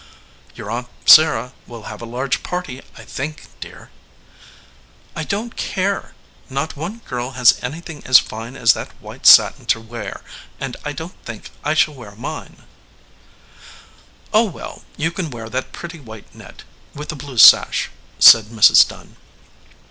"Your aunt Sarah will have a large party, I think,^ dear." "I don t care. Not one girl has anything as fine as that white satin to wear, and I don t think I shall wear mine." 190 SOUR SWEETINGS "Oh, well, you can wear that pretty white net, with the blue sash," said Mrs. Dunn.